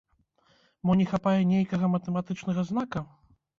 Мо не хапае нейкага матэматычнага знака?